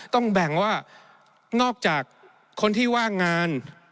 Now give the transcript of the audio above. ต้องแบ่งว่านอกจากคนที่ว่างงาน